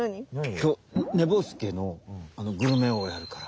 きょうねぼすけのグルメ王やるから。